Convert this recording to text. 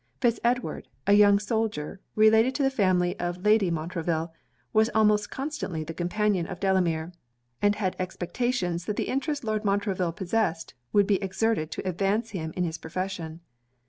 Fitz Edward, a young soldier, related to the family of Lady Montreville, was almost constantly the companion of Delamere, and had expectations that the interest Lord Montreville possessed would be exerted to advance him in his profession.